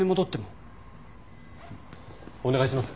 お願いします。